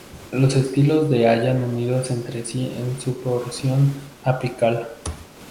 Los estilos de hallan unidos entre sí en su porción apical.